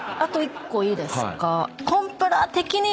１個いいですか？